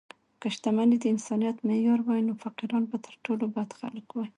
که شتمني د انسانیت معیار وای، نو فقیران به تر ټولو بد خلک وای.